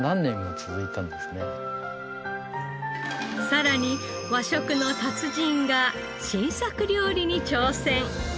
さらに和食の達人が新作料理に挑戦。